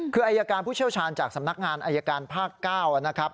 คืออายการผู้เชี่ยวชาญจากสำนักงานอายการภาค๙นะครับ